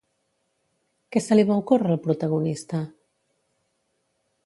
Què se li va ocórrer al protagonista?